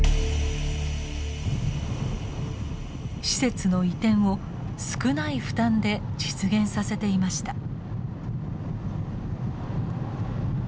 施設の移転を少ない負担で実現させていました。